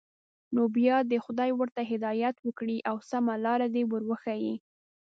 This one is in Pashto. نو بیا دې خدای ورته هدایت وکړي او سمه لاره دې ور وښيي.